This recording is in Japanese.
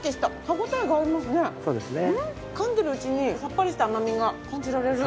かんでるうちにさっぱりした甘みが感じられる。